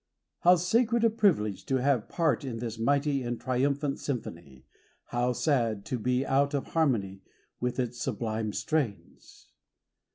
How sacred a privilege to have part in this mighty and triumphant sym phony, how sad to be out of harmony with its sublime strains